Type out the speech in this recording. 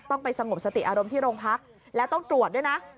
ไปสงบสติอารมณ์ที่โรงพักแล้วต้องตรวจด้วยนะ